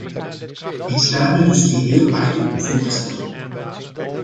Ik schaar mij dus geheel achter uw voorstel.